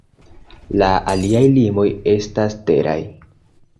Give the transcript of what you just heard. La aliaj limoj estas teraj.